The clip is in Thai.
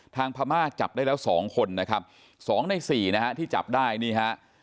พม่าจับได้แล้วสองคนนะครับสองในสี่นะฮะที่จับได้นี่ฮะ